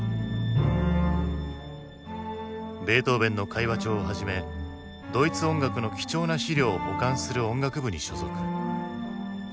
ベートーヴェンの会話帳をはじめドイツ音楽の貴重な資料を保管する音楽部に所属。